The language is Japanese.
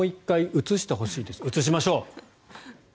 映しましょう。